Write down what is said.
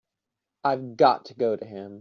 I've got to go to him.